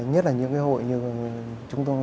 nhất là những hội như trang lớp